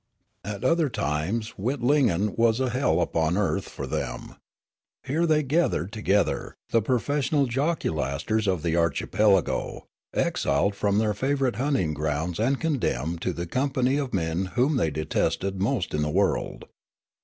At other times Witlingen was a hell upon earth for them. Here were they gathered together, the profes sional joculasters of the archipelago, exiled from their favourite hunting grounds and condemned to the com pany of the men whom they detested most in the world.